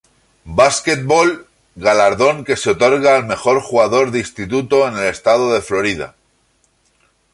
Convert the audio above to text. Basketball", galardón que se otorga al mejor jugador de instituto del estado de Florida.